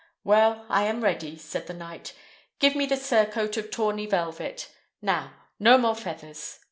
"Well, I am ready," said the knight; "give me the surcoat of tawny velvet. Now; no more feathers!"